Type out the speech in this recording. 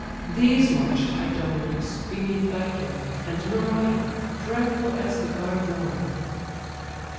These march'd, Idomeneus, beneath thy care, And Merion, dreadful as the god of war.